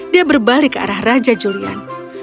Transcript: dia berbalik ke arah raja julian